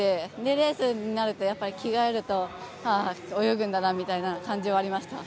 レースになると、着替えるとああ、泳ぐんだなみたいな感じはありました。